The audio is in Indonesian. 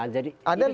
jadi ini cerita lama